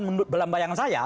menurut belambayangan saya